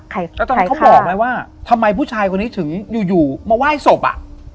แล้วตอนนี้เขาบอกไหมว่าทำไมผู้ชายคนนี้ถึงอยู่อยู่มาไหว้ศพอ่ะ